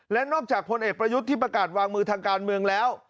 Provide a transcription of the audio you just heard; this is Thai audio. และนอกจากพลเอกประยุทธ์ที่ประกาศวางมือทางการเมืองแล้ว